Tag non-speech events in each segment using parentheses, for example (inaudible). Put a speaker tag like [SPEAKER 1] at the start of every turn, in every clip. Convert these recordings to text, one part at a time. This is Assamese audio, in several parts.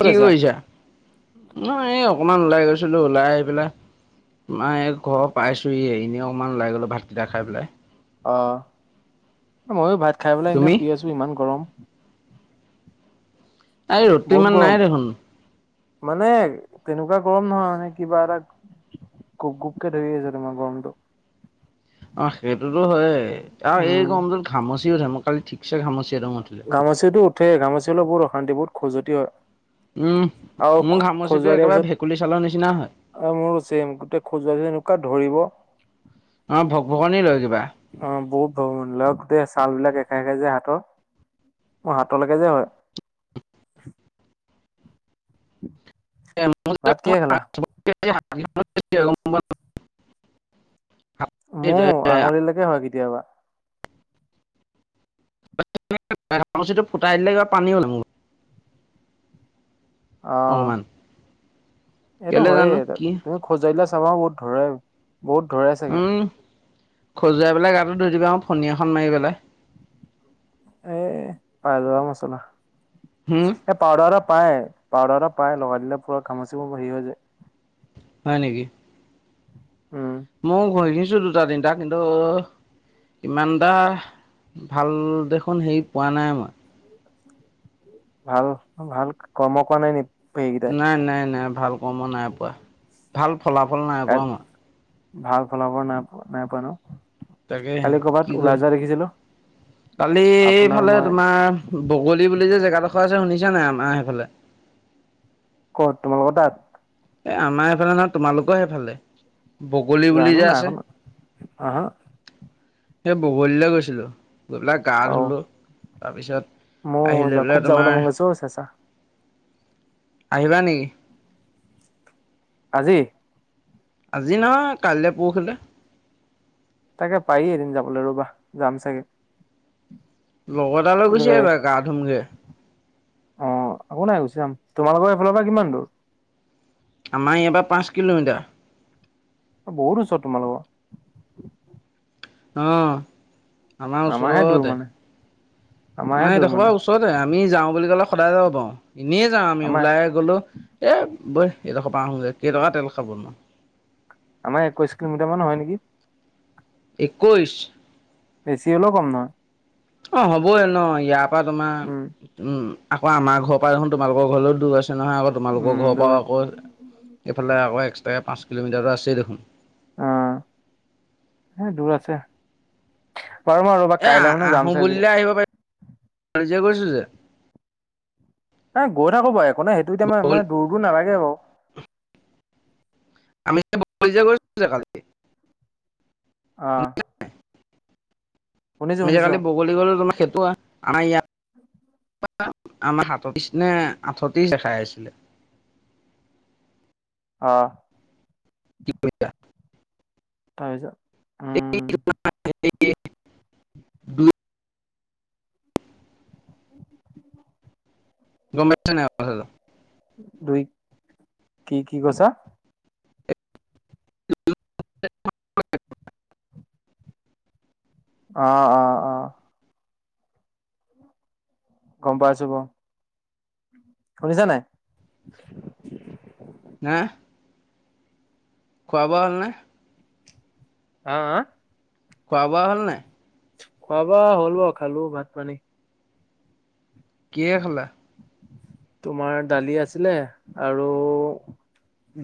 [SPEAKER 1] ক'ত
[SPEAKER 2] কি
[SPEAKER 1] আছা?
[SPEAKER 2] কৰিছা নহ এই অকনমান ওলাই গৈছিলো ওলাই আহি পেলাই মাই ঘৰ পাইছোহি এনেই অকমান ওলাই গলো ভাতকেইটা খাই পেলাই
[SPEAKER 1] অ ময়ো ভাত খাই পেলাই এনে
[SPEAKER 2] তুমি?
[SPEAKER 1] শুই আছো ইমান গৰম
[SPEAKER 2] আজি ৰদটো
[SPEAKER 1] বহুত
[SPEAKER 2] ইমান
[SPEAKER 1] গৰম।
[SPEAKER 2] নাই দেখোন।
[SPEAKER 1] মানে তেনেকুৱা গৰম নহয় মানে কিবা এটা গুব গুব কে ধৰি আছে তোমাৰ গমটো।
[SPEAKER 2] অ সেইটোতো হয় আৰু এই
[SPEAKER 1] উম,
[SPEAKER 2] গৰমটোত ঘামচিও উঠে মোক কালি ঠিক ছে ঘামূচি এদম উঠিলে।
[SPEAKER 1] সেয়ে ঘামূচি হলে বহুত অশান্তি বহুত খজতি হয়।
[SPEAKER 2] উম
[SPEAKER 1] আৰু
[SPEAKER 2] মোৰ ঘামূচিটো একেবাৰে ভেকুলী চালৰ নিচিনা হয়।
[SPEAKER 1] অ মোৰ চেম গোটেই খজুৱাই দিলে গোটেই এনেকুৱা ধৰিব।
[SPEAKER 2] অ ভক ভকণি লয় কিবা।
[SPEAKER 1] অ বহুত ভক ভকনি‌ লয় আৰু গোটেই ছাল বিলাক এৰ খাই খাই যাই যে হাতৰ। মোৰ হাতৰলৈকে যে হয়। ভাত কিহে খালা?
[SPEAKER 2] (unintelligible)
[SPEAKER 1] মোৰ আঙুলিলৈকে হয় কেতিয়াবা।
[SPEAKER 2] ঘামুচিটো ফুটাই দিলে কিবা পানী ওলাই মোৰ।
[SPEAKER 1] অঁ।
[SPEAKER 2] অকমান
[SPEAKER 1] এইটো
[SPEAKER 2] কেলে
[SPEAKER 1] হয়য়ে
[SPEAKER 2] জানো কি
[SPEAKER 1] তুমি খজুৱাই দিলে চাবা চোন বহুত ধৰে বহুত ধৰে চাগে।
[SPEAKER 2] উম, খজুৱাই পেলাই গাটো ধুই দিবাচোন ফণী এখন মাৰি পেলাই।
[SPEAKER 1] এ পাই যাবা মছলা,
[SPEAKER 2] হুম
[SPEAKER 1] এই পাউদাৰ এটা পায়। পাউদাৰ এটা পাই লগাই দিলে পুৰা ঘামূচিবোৰ হেৰি হৈ যায়।
[SPEAKER 2] হয় নেকি?
[SPEAKER 1] উম
[SPEAKER 2] লগাইছো দুটা তিনিটা কিন্তু ইমানটা ভাল দেখোন হেৰি পোৱা নাই মই।
[SPEAKER 1] ভাল ভাল কৰ্ম কৰা নাই নি? সেইকেইটাই
[SPEAKER 2] নাই নাই নাই ভাল কৰ্ম নাই পোৱা, ভাল ফলাফল নাই
[SPEAKER 1] তাত
[SPEAKER 2] পোৱা মই।
[SPEAKER 1] ভাল ফলাফল নাইপোৱা ন।
[SPEAKER 2] তাকেহে
[SPEAKER 1] কালি
[SPEAKER 2] কি
[SPEAKER 1] কৰ'বাত
[SPEAKER 2] কৰি
[SPEAKER 1] ওলাই যোৱা দেখিছিলো?
[SPEAKER 2] কালি
[SPEAKER 1] আপোনাৰ
[SPEAKER 2] এইফালে
[SPEAKER 1] মই
[SPEAKER 2] তোমাৰ বগলী বুলি যে জেগাডোখৰ আছে শুনিছা নাই আ মাৰ সেইফালে?
[SPEAKER 1] ক'ত তোমালোকৰ তাত?
[SPEAKER 2] এ আমাৰ এইফালে নহয় তোমালোকৰ সেইফালে। বগলী বুলি
[SPEAKER 1] জানো
[SPEAKER 2] যে
[SPEAKER 1] নাই
[SPEAKER 2] আছে।
[SPEAKER 1] শুনা আহা
[SPEAKER 2] সেই বগলীলৈ গৈছিলো গৈ পেলাই গা ধুলো তাৰপিছত আহি লৈ
[SPEAKER 1] মোৰো
[SPEAKER 2] পেলাই
[SPEAKER 1] খুব
[SPEAKER 2] তোমাৰ
[SPEAKER 1] যাবলে মন গৈছে অ চেঁচা
[SPEAKER 2] আহিবা নেকি?
[SPEAKER 1] আজি?
[SPEAKER 2] আজি নহয় কাইলৈ পৰহিলৈ।
[SPEAKER 1] তাকে পাৰি এদিন যাবলৈ ৰবা যাম চাগে।
[SPEAKER 2] লগৰ এটালৈ গুচি আহিবা গা ধুমগে।
[SPEAKER 1] অ একো নাই গুচি যাম। তোমালোকৰ এইফালৰ পৰা কিমান দূৰ?
[SPEAKER 2] আমাৰ এয়াৰ পৰা পাঁচ কিলোমিটাৰ।
[SPEAKER 1] বহুত ওচৰত তোমালোকৰ।
[SPEAKER 2] অঁহ। আমাৰ
[SPEAKER 1] আমাৰহে দূৰ
[SPEAKER 2] ওচৰতে
[SPEAKER 1] মানে আমাৰহে
[SPEAKER 2] আমাৰ
[SPEAKER 1] দূৰ
[SPEAKER 2] এডখৰ
[SPEAKER 1] মানে
[SPEAKER 2] পৰা ওচৰতে আমি যাওঁ বুলি কলে সদায় যাব পাৰো, এনেই যাওঁ আমি
[SPEAKER 1] আমাৰ
[SPEAKER 2] ওলাই গলো এ বৈ এইডখ ৰপা আহোগে কেইটকা তেল খাব নো।
[SPEAKER 1] আমাৰ একৈশ কিলোমিটাৰ মান হয় নেকি।
[SPEAKER 2] একৈশ?
[SPEAKER 1] বেছি হ'লেও কম নহয়।
[SPEAKER 2] অ হ'বইে ন ইয়াৰ পৰা তোমাৰ,
[SPEAKER 1] উম
[SPEAKER 2] উম আক আমাৰ ঘৰ পৰাই দেখোন তোমালোক ঘৰলৈ দূৰ আছে নহয় আকৌ তোমালোক
[SPEAKER 1] উম
[SPEAKER 2] ঘৰৰ
[SPEAKER 1] দূৰ
[SPEAKER 2] পৰা আকৌ এইফালে এক্সট্ৰাকৈ পাঁচ কিলোমিটাৰ আছেই দেখোন
[SPEAKER 1] আহ, হ দূৰ আছে। চাম বাৰু ৰবা
[SPEAKER 2] এ
[SPEAKER 1] কাইলৈ মানে
[SPEAKER 2] আহো
[SPEAKER 1] যাম চাগে।
[SPEAKER 2] বুলিলে আহিব পাৰি আমি যে কৰিছো যে।
[SPEAKER 1] এ গৈ থাকো বাৰু একো নাই সেইটো এতিয়া মই মা দূৰ দূৰ নালাগে বাৰু।
[SPEAKER 2] আমি কৰিছো যে কালি
[SPEAKER 1] অ শুনিছো
[SPEAKER 2] তুমি যে
[SPEAKER 1] শুনিছো
[SPEAKER 2] কালি বগলী গলো তোমাৰ খেইতোৱ আনা ইয়াত
[SPEAKER 1] উম
[SPEAKER 2] আমাৰ সাততিছ নে আঠতিছ দেখাই আছিলে
[SPEAKER 1] হ
[SPEAKER 2] কি কৈছা
[SPEAKER 1] তা পিছত উম
[SPEAKER 2] এই দু গম্ পাইছ নাই কথা টো
[SPEAKER 1] দুই কি কি কৈছা
[SPEAKER 2] (unintelligible)
[SPEAKER 1] অ অ অ গম পাইছো বাও শুনিছা নাই
[SPEAKER 2] হা খোৱা বোৱা হল নে
[SPEAKER 1] হা হা
[SPEAKER 2] খোৱা -বোৱা হ'ল নাই?
[SPEAKER 1] খোৱা- বোৱা হ'ল বা খালো ভাত- পানী।
[SPEAKER 2] কিহে খালে?
[SPEAKER 1] তোমাৰ দালি আছিলে আৰু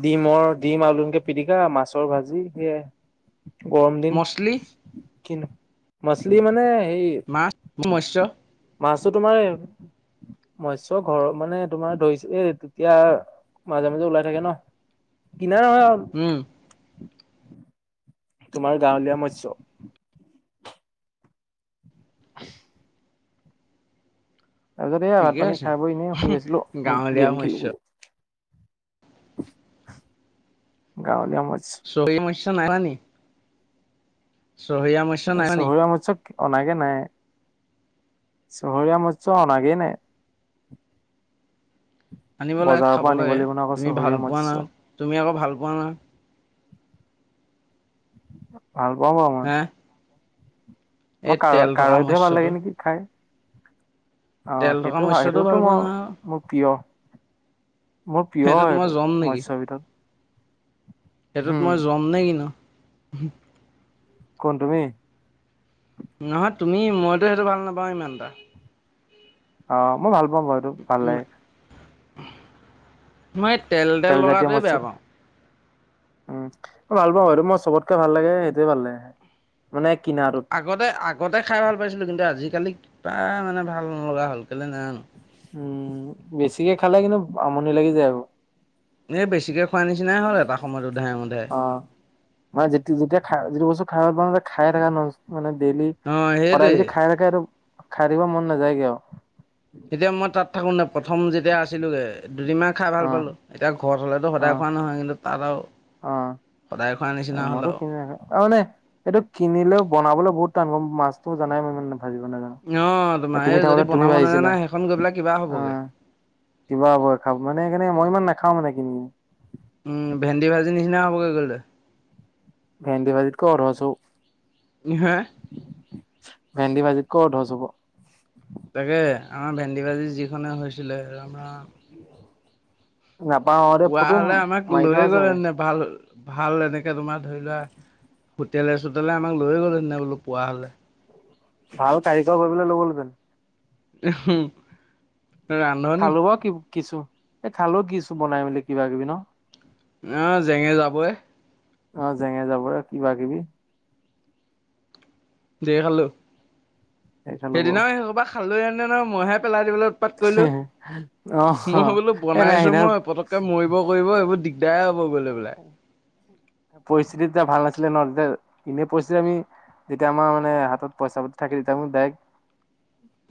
[SPEAKER 1] ডিমৰ ডিম আলুকে পিটিকা, মাছৰ ভাজি সেয়াই। গৰম দিন,
[SPEAKER 2] মছলি
[SPEAKER 1] কিনো মাছলি মানে হেৰি
[SPEAKER 2] মা মোৰ মৎস।
[SPEAKER 1] মাছটো তোমাৰ মস্য ঘৰত মানে তোমাৰ ধৰিছো এ তেতিয়া মাজে মাজে ওলাই থাকে ন। কিনা নহয়।
[SPEAKER 2] উম
[SPEAKER 1] তোমাৰ গাঁৱলীয়া মৎস্য। (unintelligible) তাৰ পিছত এই ভাত
[SPEAKER 2] ঠিকে
[SPEAKER 1] -পানী
[SPEAKER 2] আছে
[SPEAKER 1] খাই বৈ এনেই শুই আছিলো মই
[SPEAKER 2] গাঁৱলীয়া
[SPEAKER 1] গেম
[SPEAKER 2] মৎস্য
[SPEAKER 1] খেলিবলে। (unintelligible) গাঁ
[SPEAKER 2] চহ মশা নাই নি (inaudible) চহিয়া মৎস্য নাই মানি?
[SPEAKER 1] চহৰীয়া মৎস্য অনাগে নাই। চহৰীয়া মৎস্য অনাগেই নে।
[SPEAKER 2] আনিব লাগে, খাব লাগে,
[SPEAKER 1] লাগিব ন আকৌ
[SPEAKER 2] তুমি ভাল
[SPEAKER 1] চহৰীয়া
[SPEAKER 2] পোৱা
[SPEAKER 1] মৎস্য
[SPEAKER 2] না, তুমি আকৌ ভাল পোৱা না?
[SPEAKER 1] ভাল পাওঁ বাও মই।
[SPEAKER 2] হা
[SPEAKER 1] মই
[SPEAKER 2] এই
[SPEAKER 1] কাৰ-
[SPEAKER 2] তেল থকা
[SPEAKER 1] কাৰৈটোহে ভাল
[SPEAKER 2] মৎস্যটো
[SPEAKER 1] লাগে নেকি খাই? অ
[SPEAKER 2] তেল থকা
[SPEAKER 1] সেইটো ভাল
[SPEAKER 2] মৎস্যটো
[SPEAKER 1] সেইটোতো
[SPEAKER 2] পোৱা
[SPEAKER 1] মোৰ
[SPEAKER 2] নহয় আকৌ
[SPEAKER 1] মোৰ প্ৰিয়। মোৰ প্ৰিয়
[SPEAKER 2] সেইটোত
[SPEAKER 1] হয়
[SPEAKER 2] মই
[SPEAKER 1] এইটো
[SPEAKER 2] জম নেকি
[SPEAKER 1] মৎসৰ ভিতৰত।
[SPEAKER 2] সেইটোত
[SPEAKER 1] হম
[SPEAKER 2] মই যমনে কিনো।
[SPEAKER 1] কোন তুমি?
[SPEAKER 2] নহয় তুমি মইতো সেইটো ভাল নাপাওঁ ইমানটা।
[SPEAKER 1] অ মই ভাল পাম বাৰুটো ভাল
[SPEAKER 2] এটা
[SPEAKER 1] লাগে।
[SPEAKER 2] মই তেল -তেল লগাটোৱে বেয়া পাওঁ।
[SPEAKER 1] উ ভাল পাওঁ সেটো মই চবতকে ভাল লাগে সেইটোয়ে ভাল লাগে মানে। কিনাটোত
[SPEAKER 2] আগতে আগতে খাই ভাল পাইছিলো কিন্তু আজিকালি কিবা মানে ভাল নলগা হ'ল কেলে নাজানোঁ।
[SPEAKER 1] উম বেছিকে খালে কিন্তু আমনি লাগি যায় আৰু।
[SPEAKER 2] এ বেছিকে খোৱা নিচিনাই হ'ল এটা সময়ত উধাই মুধাই
[SPEAKER 1] অ, মানে যেতিয়া যেতিয়া খাই যিটো বস্তু ঘাহ - বন যে খাই থাকা ন মানে ডেইলি,
[SPEAKER 2] অ
[SPEAKER 1] সদায়
[SPEAKER 2] সেইটোৱে
[SPEAKER 1] যদি খাই থাকে আৰু খাই থাকিব মন নাযায় গে।
[SPEAKER 2] এতিয়া মই তাত থাকো নাই প্ৰথম যেতিয়া আছিলোগে দুদিনমান খাই ভাল
[SPEAKER 1] অ
[SPEAKER 2] পালোঁ, এতিয়া ঘৰত হলেতো
[SPEAKER 1] অ
[SPEAKER 2] সদায় খোৱা নহয় কিন্তু তাত আৰু
[SPEAKER 1] অ
[SPEAKER 2] সদায় খোৱাৰ নিচিনা হ'ল
[SPEAKER 1] মইতো
[SPEAKER 2] আৰু
[SPEAKER 1] কিনিকো তাৰ মানে এইটো কিনিলেও বনাবলে বহুত তা মাছতো জানাই মই ইমান না ভাজিব নাজানো,
[SPEAKER 2] অ তোমাৰ
[SPEAKER 1] এ
[SPEAKER 2] এই
[SPEAKER 1] তুমি
[SPEAKER 2] যদি
[SPEAKER 1] থাকোতে তুমি
[SPEAKER 2] বনাব নাজানা
[SPEAKER 1] ভাজিছিলা
[SPEAKER 2] সেইখন গৈ পেলাই কিবা
[SPEAKER 1] অ।
[SPEAKER 2] হ'বগৈ
[SPEAKER 1] কিবা হ'ব খা মানে সেইকাৰনে মই ইমান নাখাও মানে কিনি।
[SPEAKER 2] উম ভেন্দি ভাজি নিচিনা হ'বগৈ গ'ল দে।
[SPEAKER 1] ভেন্দি ভাজিত কৈ অধচ
[SPEAKER 2] হে
[SPEAKER 1] ভেন্দি ভাজিত ক' অধছ হব।
[SPEAKER 2] তাকে আমাৰ ভেন্দী ভাজি যিখনে হৈছিলে ৰাম ৰাম!
[SPEAKER 1] নাপাহৰোতে
[SPEAKER 2] পুৱা
[SPEAKER 1] ফটো
[SPEAKER 2] হলে আমাক
[SPEAKER 1] মাৰি থোৱা
[SPEAKER 2] লৈয়ে
[SPEAKER 1] আছে
[SPEAKER 2] গ'লে
[SPEAKER 1] হপাই।
[SPEAKER 2] এনে ভাল ভাল এনেকে তোমাৰ ধৰি লোৱা তেলে চোতেলে আমাক লৈ গ'ল সেদিনা বোলো পোৱা হ'লে।
[SPEAKER 1] ভাল কাৰিকৰ কৰিবলে লৈ গ'লহেতেন।
[SPEAKER 2] ৰান্ধনি।
[SPEAKER 1] কিছো এই খালো কিছো বনাই মেলি কিবা কিবি ন।
[SPEAKER 2] আহ জেঙে যাবই।
[SPEAKER 1] অ জেঙে যাবৰে কিবা কিবি।
[SPEAKER 2] ঢেৰ খালো,
[SPEAKER 1] সেই খালো বাৰু।
[SPEAKER 2] সেইদিনাও সেইসোপা খালো হলে নহয় মইহে পেলাই। উৎপাত কৰিলো,
[SPEAKER 1] অহ
[SPEAKER 2] মই বোলো
[SPEAKER 1] এ নাই
[SPEAKER 2] বনাইছো
[SPEAKER 1] সেইদিনা
[SPEAKER 2] মই পতককে মৰিব কৰিব এইবোৰ দি দিগদাৰ হ'ব গলে বোলোই।
[SPEAKER 1] পৰিস্থিতি (unintelligible) (inaudible) তেতিয়া এনে পছি যাবি যেতিয়া আমাৰ মানে হাতত পইচা পাতি থাকে তেতিয়া ডাইৰেক। উ (inaudible)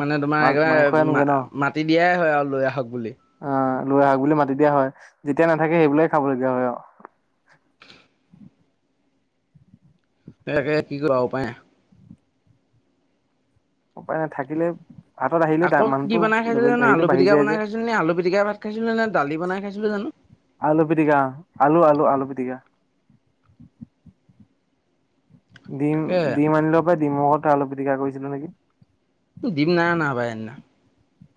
[SPEAKER 2] মানে তোমাৰ একেবাৰে মাতি দিয়াই হয় আৰু লৈ আহক। বুলি
[SPEAKER 1] আহ লৈ আহাক বুলি মাতি দিয়া হয় যেতিয়া নাথাকে সেইবিলাক খাব লগীয়া হয় আৰু। (inaudible)
[SPEAKER 2] সেয়াকে কি কৰিবা উপায় নাই।
[SPEAKER 1] উপায় নাথাকিলে
[SPEAKER 2] আকৌ কি বনাই খাইছিলোঁ জানো আলু
[SPEAKER 1] বাঢ়ি
[SPEAKER 2] পিটিকা
[SPEAKER 1] যায় যে
[SPEAKER 2] বনাই খাইছিলো নে আলু পিটিকা ভাত খাইছিলোঁ নে দালি বনাই খাইছিলোঁ জানো।
[SPEAKER 1] আলু পিটিকা, আলু আলু আলু পিটিকা। ডিম
[SPEAKER 2] তাকে
[SPEAKER 1] ডিম আনিলো সপাই ডিমলগত আলু পিটিকা কৰিছিলোঁ নেকি।
[SPEAKER 2] ডিম নাই অনা সেইদিনা।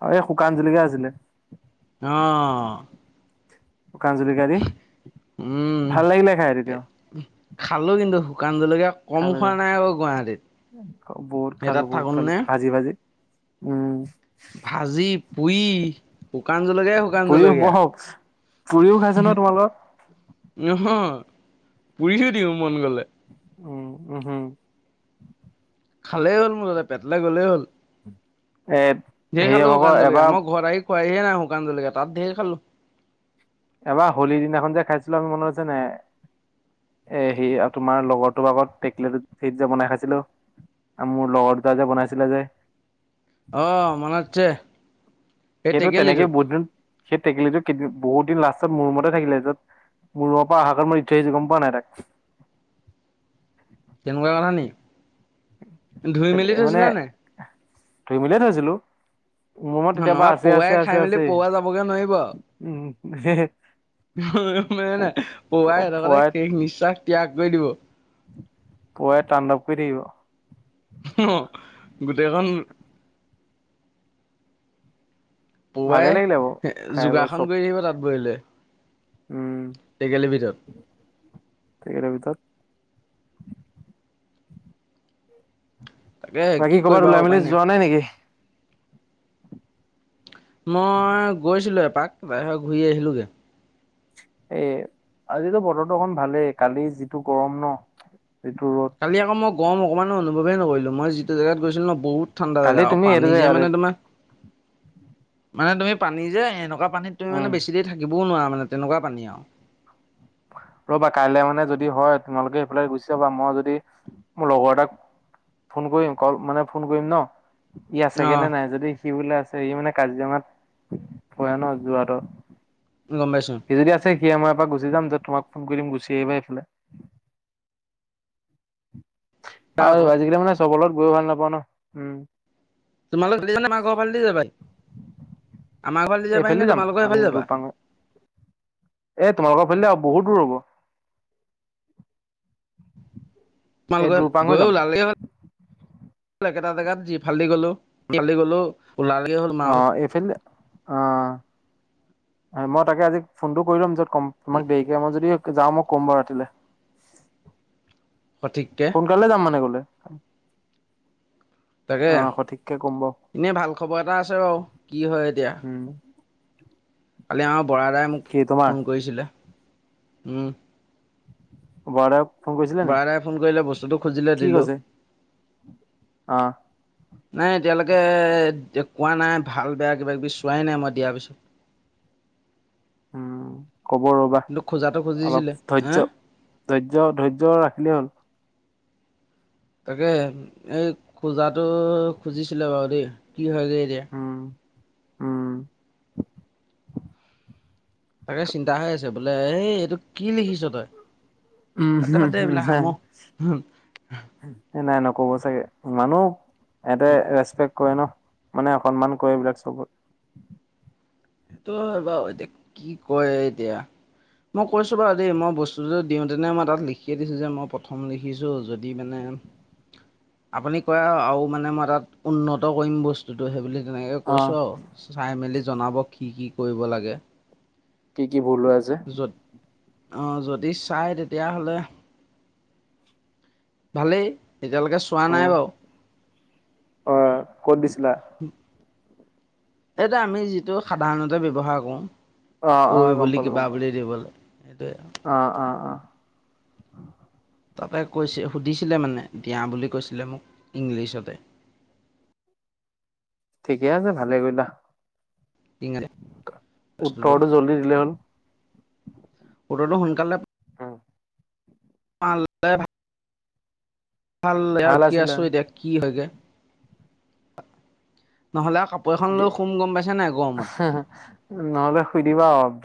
[SPEAKER 1] অ এই শুকান জলকীয়া আছিলে।
[SPEAKER 2] অহ
[SPEAKER 1] শুকান জলকীয়া দি,
[SPEAKER 2] উম
[SPEAKER 1] ভাল লাগিলে খাই তেতিয়াও।
[SPEAKER 2] খালো কিন্তু শুকান জলকীয়া কম
[SPEAKER 1] খালো
[SPEAKER 2] খোৱা
[SPEAKER 1] যাব
[SPEAKER 2] নাই আকৌ গুৱাহাটীত
[SPEAKER 1] বহুত
[SPEAKER 2] সেই
[SPEAKER 1] খালোঁ,
[SPEAKER 2] তাত
[SPEAKER 1] বহুত খালোঁ,
[SPEAKER 2] থাকোঁতেনে
[SPEAKER 1] ভাজি ভাজি। উম!
[SPEAKER 2] ভাজি পুৰি। শুকান জলকীয়াই শুকান
[SPEAKER 1] পুৰিও বহক পুৰিও খাইছে ন
[SPEAKER 2] জলকীয়া।
[SPEAKER 1] তোমালোকৰ
[SPEAKER 2] নহয় পুৰিহো দিওঁ মন গলে।
[SPEAKER 1] উম উম হম।
[SPEAKER 2] খালেই হ'ল মোৰ তাতে পেটলে গ'লেই হ'ল।
[SPEAKER 1] এ
[SPEAKER 2] ঢেই
[SPEAKER 1] হেৰি
[SPEAKER 2] খালো
[SPEAKER 1] ভাগৰ
[SPEAKER 2] শুকান জলকীয়া
[SPEAKER 1] এবাৰ
[SPEAKER 2] মই ঘৰত আহি খোৱাইহে নাই শুকান জলকীয়া তাতেই খালো
[SPEAKER 1] এবাৰ হোলীৰ দিনাখন যে খাইছিলো আমি মনত আছে নে নাই এ সি আৰু তোমাৰ লগৰটোৰ আগত টেক ফিজা বনাই খাইছিলো আৰু মোৰ লগৰ তা যে বনাইছিলে যে
[SPEAKER 2] আহ মানত আছে। এই
[SPEAKER 1] সেইটো তেনেকে
[SPEAKER 2] টেকেলিটোত
[SPEAKER 1] বহুদিন সেই টেকেলিটো কেইদিন বহুত দিন লাষ্টত মোৰ ৰুমতে থাকিলে য'ত মোৰ ৰুমৰ পৰা অহা টাইমত দি থৈ আহিছোঁ গম পায় নাই তই উ (unintelligible)
[SPEAKER 2] তেনেকুৱা কথা নি ধুই মেলি
[SPEAKER 1] মানে
[SPEAKER 2] থৈছিলা নাই
[SPEAKER 1] ধুই মিলে থৈছিলো মো ৰোমত তেতিয়া পা
[SPEAKER 2] নবা
[SPEAKER 1] আছে
[SPEAKER 2] পৌৱাই
[SPEAKER 1] আছে আছে
[SPEAKER 2] খাই মেলি
[SPEAKER 1] আছে ই
[SPEAKER 2] পৌৱা যাবগে সো সো নাই পুৱাই সিহঁতক শেষ নিশ্বাস ত্যাগ কৰি দিব
[SPEAKER 1] পুৱাই তাণ্ডৱ কৰি থাকিব
[SPEAKER 2] অ গোটেইখন
[SPEAKER 1] ভালে
[SPEAKER 2] পুৱাই
[SPEAKER 1] লাগিলে বাৰু খাই বৈ
[SPEAKER 2] যোগাসন
[SPEAKER 1] চব
[SPEAKER 2] কৰি আহিব তাঁত বহিলৈ
[SPEAKER 1] উম
[SPEAKER 2] টেকেলি ভিতৰত
[SPEAKER 1] টেকেলিৰ ভিতৰত
[SPEAKER 2] তাকে কি
[SPEAKER 1] বাকী
[SPEAKER 2] কৰিবা
[SPEAKER 1] কৰবাত
[SPEAKER 2] আৰু
[SPEAKER 1] ওলাই
[SPEAKER 2] উপায়
[SPEAKER 1] মেলি যোৱা নাই নেকি
[SPEAKER 2] মই গৈছিলো এপাক বাহিৰৰ ঘূৰি আহিলোগে
[SPEAKER 1] এ আজিতো বতৰটো অকন ভালেই কালি যিটো গৰম ন এইটো ৰদ
[SPEAKER 2] কালি আকৌ মই গৰম অকণমানো অনুভৱেই নকৰিলো মই যিটো জেগাত গৈছিলো ন বহুত ঠাণ্ডা
[SPEAKER 1] কালি
[SPEAKER 2] জেগা অ
[SPEAKER 1] তুমি এইটো
[SPEAKER 2] পানী যে
[SPEAKER 1] জেগাত
[SPEAKER 2] মানে তোমাৰ মানে তুমি পানী যে এনেকুৱা পানীত তুমি মানে
[SPEAKER 1] উম
[SPEAKER 2] বেছি দেৰি থাকিব নোৱাৰা মানে তেনেকুৱা পানী আৰু
[SPEAKER 1] হয় ৰ'বা কাইলে মানে যদি হয় তোমালোকে সেইফালে গুচি যাবা মই যদি মোৰ লগৰ এটাক ফোন কৰিম কল মানে ফোন কৰিম ন ই আছে গে
[SPEAKER 2] অ'
[SPEAKER 1] নে নাই যদি কি বোলে আছে সি মানে কাজিৰঙাত হয় ন যোৱাটো
[SPEAKER 2] গম পাইছো
[SPEAKER 1] সি আমাৰ পৰা গুচি যাম যে তোমাক ফোন কৰি দিম গুচি আহিবা এইফালে
[SPEAKER 2] তাৰ আকৌ
[SPEAKER 1] আৰু আজিকালি মানে চবলত গৈ ভাল নাপাওঁ ন উম
[SPEAKER 2] তোমালোক দি মাক ঘৰ ফালে দি যাবাই আমাৰ ঘৰত নিজাৰ বাহি
[SPEAKER 1] এইফালেদি
[SPEAKER 2] ন
[SPEAKER 1] যাম
[SPEAKER 2] তোমালোকৰ
[SPEAKER 1] আমি
[SPEAKER 2] সেইফালে যাবা
[SPEAKER 1] দুৰপাং এ ব বহুত দূৰ হব এই
[SPEAKER 2] তোমালোকৰ
[SPEAKER 1] দুৰপাং হৈ
[SPEAKER 2] গৈ
[SPEAKER 1] যাম
[SPEAKER 2] ওলালে হল একেটা জেগাত যি ফালি গলো ফালি গলো ওলালেগে হ'ল মাৰ
[SPEAKER 1] অ
[SPEAKER 2] ওচৰত
[SPEAKER 1] এইফালে দি আহ হয় মই তাকে আজি ফোনটো কৰি লম যত কম তোমাক দেৰিকে মই যদি। যাও মই কম বাৰ ৰাতিলে
[SPEAKER 2] সঠিককে
[SPEAKER 1] সোনকালে যাম মানে গলে (inaudible)
[SPEAKER 2] তাকে
[SPEAKER 1] অ সঠিককে ক'ম বাৰু
[SPEAKER 2] এনেই ভাল খবৰ এটা আছে বাৰু কি হয় এতিয়া
[SPEAKER 1] উম,
[SPEAKER 2] কালি আমাৰ বৰা দাই মোক
[SPEAKER 1] কি তোমাৰ
[SPEAKER 2] ফোন কৰিছিলে।
[SPEAKER 1] বৰা দাও
[SPEAKER 2] বৰা দাই ফোন কৰিলে বস্তুটো খুজিলে দিলোঁ
[SPEAKER 1] অ
[SPEAKER 2] নাই এতিয়ালৈকে কোৱা নাই ভাল বেয়া কিবা কিবি চোৱাই নাই মই দিয়াৰ পিছত
[SPEAKER 1] উম কব ৰ'বা
[SPEAKER 2] কিন্তু খোজাটো খুজিছিলে
[SPEAKER 1] অলপ
[SPEAKER 2] হা
[SPEAKER 1] ধৈৰ্য ধৈৰ্য্য ধৈৰ্য্য ৰাখিলেই হ'ল
[SPEAKER 2] তাকে এই খোজাটো খুজিছিলে বাৰু দেই কি হয়গে এতিয়া
[SPEAKER 1] উম, উম
[SPEAKER 2] তাকে চিন্তা হৈ আছে বোলে এই এইটো কি লিখিছ তই
[SPEAKER 1] উম
[SPEAKER 2] বাদ দে
[SPEAKER 1] হম
[SPEAKER 2] বাদ দে
[SPEAKER 1] হম
[SPEAKER 2] এইবিলাক সামহ
[SPEAKER 1] হা কব চাগে মানুহ এতে ৰেস্পেক কৰে ন মানে অকনমান কৰে এইবিলাক চবত
[SPEAKER 2] সেইটো হয় বাৰু এতিয়া কি কৰে এতিয়া মই কৈছো বাৰু দেই মই বস্তুটোদি দিওঁ তেনে মই তাত লিখিয়ে দিছো যে মই প্ৰথম লিখিছো যদি মানে আপুনি কয় আৰু মানে মই তাত উন্নত কৰিম বস্তুটো সেইবোলি তেনেকৈ কৈছোঁ
[SPEAKER 1] অ',
[SPEAKER 2] আৰু চাই মেলি জনাব কি কি কৰিব লাগে
[SPEAKER 1] কি কি ভুল হৈ আছে।
[SPEAKER 2] আহ যদি চাই তেতিয়াহ'লে ভালেই এতিয়ালৈকে চোৱা
[SPEAKER 1] উম,
[SPEAKER 2] নাই বাৰু
[SPEAKER 1] অ কত দিছিলা
[SPEAKER 2] এইটো আমি যিটো সাধাৰণতে ব্যৱহাৰ কৰো।
[SPEAKER 1] অ', অ',
[SPEAKER 2] ঐ
[SPEAKER 1] গম
[SPEAKER 2] বুলি
[SPEAKER 1] পালো গম
[SPEAKER 2] কিবা
[SPEAKER 1] পালো।
[SPEAKER 2] বুলি দিব লাগে সেইটোৱে আৰু
[SPEAKER 1] অ', অ', অ',
[SPEAKER 2] তাতে কৈছে সুধিছিলে মানে দিয়া বুলি কৈছিলে মোক ইংলিছতে
[SPEAKER 1] ঠিকেই আছে ভালেই কৰিলা।
[SPEAKER 2] ইংৰাজী বস্তুটো
[SPEAKER 1] উত্তৰটো জল্দি দিলে হ'ল
[SPEAKER 2] ফ'টো টো সোনকালে ভাল ৰখি আছো এতিয়া কি হয়গে নহলে কাপোৰ এখন লৈ সোম গম পাইছে নাই গৰমত
[SPEAKER 1] নহ'লে শুই দিবা আৰু